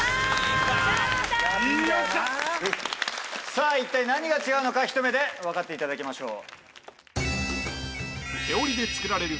さぁ一体何が違うのかひと目でわかっていただきましょう。